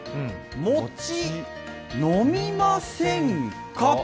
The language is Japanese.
「もち飲みませんか？」